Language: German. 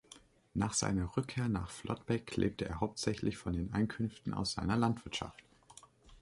Nach seiner Rückkehr nach Flottbek lebte er hauptsächlich von den Einkünften aus seiner Landwirtschaft.